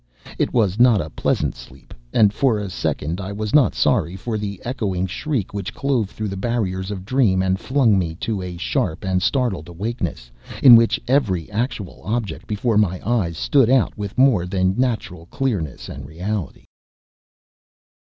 It was not a pleasant sleep, and for a second I was not sorry for the echoing shriek which clove through the barriers of dream and flung me to a sharp and startled awakeness in which every actual object before my eyes stood out with more than natural clearness and reality.